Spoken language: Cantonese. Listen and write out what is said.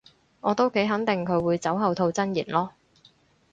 我都幾肯定佢會酒後吐真言囉